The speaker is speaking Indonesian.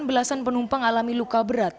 belasan penumpang alami luka berat